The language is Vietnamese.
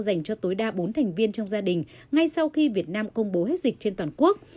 dành cho tối đa bốn thành viên trong gia đình ngay sau khi việt nam công bố hết dịch trên toàn quốc